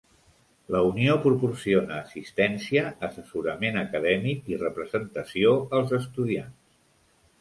La Unió proporciona assistència, assessorament acadèmic i representació als estudiants.